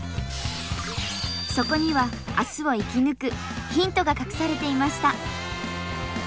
そこには明日を生き抜くヒントが隠されていました。